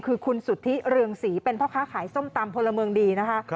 คือคุณสุทธิเรืองศรีเป็นพ่อค้าขายส้มตำพลเมืองดีนะคะ